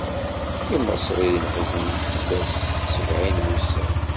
Imaṣriyen ḥeznen fell-as sebɛin n wussan.